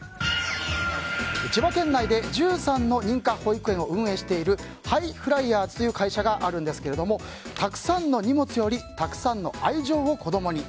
千葉県内で１３の認可保育園を運営しているハイフライヤーズという会社があるんですけどたくさんの荷物よりたくさんの愛情を子供に。